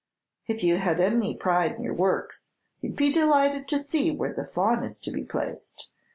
"If you had any pride in your works, you'd be delighted to see where the Faun is to be placed.